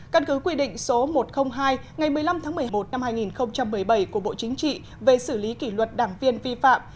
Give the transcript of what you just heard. căn cứ quy định số một trăm linh hai ngày một mươi năm tháng một mươi một năm hai nghìn một mươi bảy của bộ chính trị về xử lý kỷ luật đảng viên vi phạm